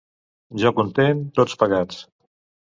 Jo content, tots pagats.